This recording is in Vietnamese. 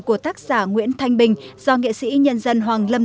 của tác giả nguyễn thanh bình do nghệ sĩ nhân dân hoàng lâm